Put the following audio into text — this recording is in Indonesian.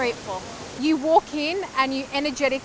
anda berjalan masuk dan merasa energetik